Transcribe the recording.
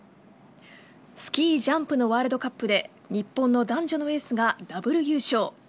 スキージャンプのワールドカップで日本の男女のエースがダブル優勝。